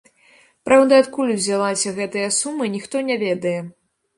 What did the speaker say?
Праўда, адкуль узялася гэтая сума, ніхто не ведае.